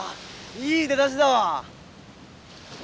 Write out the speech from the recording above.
いい出だしだわ。